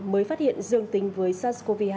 mới phát hiện dương tính với sars cov hai